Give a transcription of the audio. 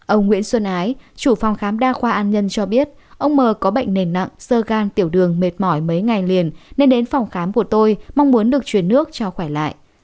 ông nguyễn xuân ái chủ phòng khám đa khoa an nhân cho biết ông m có bệnh nền nặng sơ gan tiểu đường mệt mỏi mấy ngày liền nên đến phòng khám của tôi mong muốn được chuyển nước cho khỏe lại